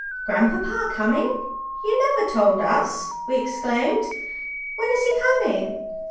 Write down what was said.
"Grandpapa coming! You never told us," we exclaimed. "When is he coming?"